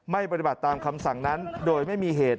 ปฏิบัติตามคำสั่งนั้นโดยไม่มีเหตุ